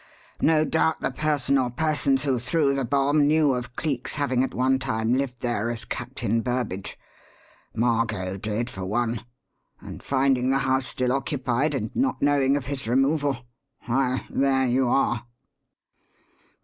No doubt the person or persons who threw the bomb knew of Cleek's having at one time lived there as 'Captain Burbage' Margot did, for one and finding the house still occupied, and not knowing of his removal why, there you are."